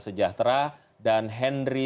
adilan sejahtera dan henry